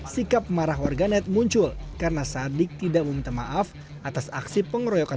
sikap marah warganet muncul karena sadik tidak meminta maaf atas aksi pengeroyokan